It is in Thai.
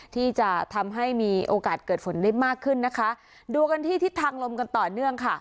ที่จะทำให้มีโอกาสเกิดฝนได้มากขึ้นนะคะดูกันที่ทิศทางลมกันต่อเนื่องค่ะ